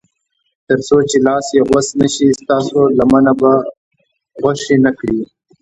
تر څو چې لاس یې غوڅ نه شي ستاسو لمنه به خوشي نه کړي.